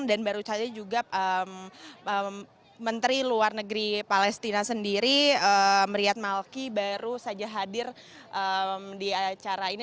dan baru saja juga menteri luar negeri palestina sendiri meriat malki baru saja hadir di acara ini